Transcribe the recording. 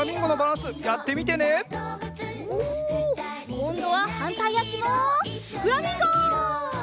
こんどははんたいあしもフラミンゴ！